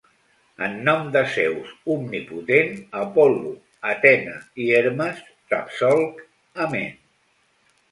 En nom de Zeus omnipotent, Apol·lo, Atena i Hermes, t’absolc. Amén.